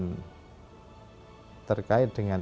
pertama agama adalah kemampuan yang harus dikembali ke kemerdekaan